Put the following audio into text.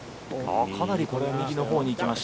かなりこれは右のほうに行きました。